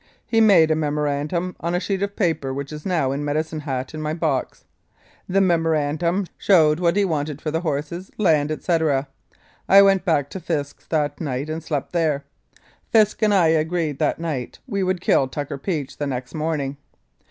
He made a memorandum on a sheet of paper which is now in Medicine Hat in my box. The memor andum showed what he wanted for the horses, land, etc. I went back to Fisk's that night and slept there. Fisk and I agreed that night we would kill Tucker Peach the next morning.